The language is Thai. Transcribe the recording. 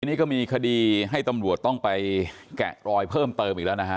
นี่ก็มีคดีให้ตำรวจต้องไปแกะรอยเพิ่มเติมอีกแล้วนะฮะ